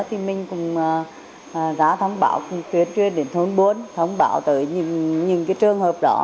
thì mình cũng ra thông báo chuyển truyền đến thôn bốn thông báo tới những trường hợp đó